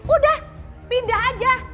udah pindah aja